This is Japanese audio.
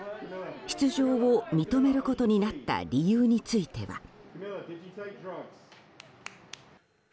出場を認めることになった理由については。